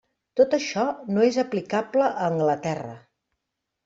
Tot això no és aplicable a Anglaterra.